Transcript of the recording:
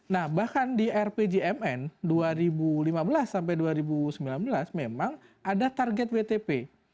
nah bahkan di rpjmn dua ribu lima belas sampai dua ribu sembilan belas memang ada target wtp